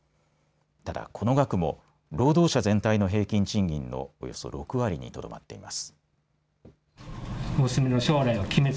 ただ、この額も労働者全体の平均賃金のおよそ６割にとどまっています。